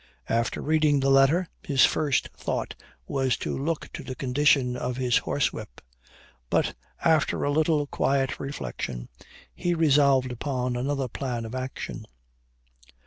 After reading the letter, his first thought was to look to the condition of his horsewhip; but, after a little quiet reflection, he resolved upon another plan of action.